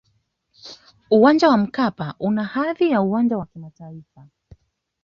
uwanja wa mkapa una hadhi ya uwanja kimataifa